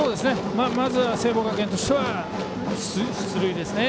まずは聖望学園としては出塁ですね。